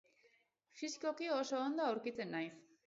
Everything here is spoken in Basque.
Fisikoki oso ondo aurkitzen naiz.